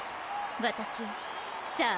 私よさあ